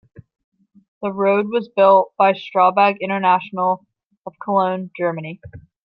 The road was built by Strabag International of Cologne, Germany.